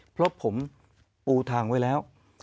เพราะผมปูทางไว้แล้ว